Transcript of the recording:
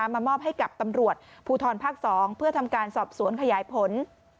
มามอบให้กับตำรวจภูทรภาค๒เพื่อทำการสอบสวนขยายผล